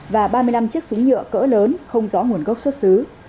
và ba mươi năm chiếc súng nhựa cỡ lớn không rõ nguồn gốc xuất xứ